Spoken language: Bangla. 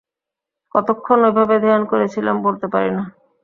কতক্ষণ ঐ ভাবে ধ্যান করেছিলাম বলতে পারি না।